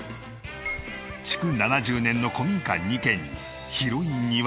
築７０年の古民家２軒に広い庭。